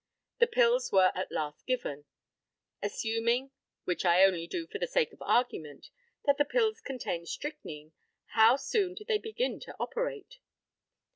The pills were at last given. Assuming, which I only do for the sake of argument, that the pills contained strychnine, how soon did they begin to operate?